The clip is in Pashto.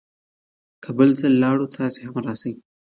که بل ځل لاړو، تاسې هم راشئ.